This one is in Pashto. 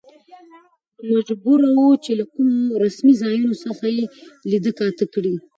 نو مجبور و، چې له کومو رسمي ځايونو څخه يې ليده کاته کړي.